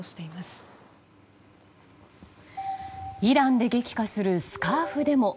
イランで激化するスカーフデモ。